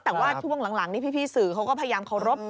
แต่ว่าช่วงหลังนี่พี่สื่อเขาก็พยายามเคารพ